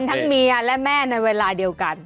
ทั้งเมียและแม่ในเวลาเดียวกัน